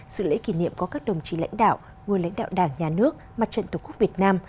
sự lễ kỷ niệm có các đồng chí lãnh đạo nguyên lãnh đạo đảng nhà nước mặt trận tổ quốc việt nam